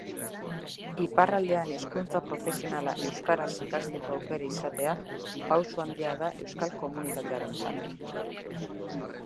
Iparraldean hezkuntza profesionala euskaraz ikasteko aukera izatea, pausu handia da euskal komunitatearentzat.